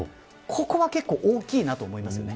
ここは結構、大きなと思います。